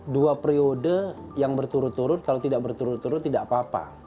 dua periode yang berturut turut kalau tidak berturut turut tidak apa apa